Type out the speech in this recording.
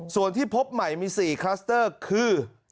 ส่วนที่พบใหม่มี๔คลัสเตอร์คือ